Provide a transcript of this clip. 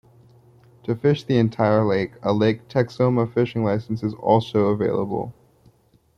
To fish the entire lake, a Lake Texoma fishing license is also available.